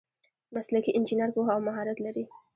مسلکي انجینر پوهه او مهارت لري.